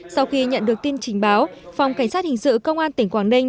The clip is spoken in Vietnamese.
sau khi nhận được tin trình báo phòng cảnh sát hình sự công an tỉnh quảng ninh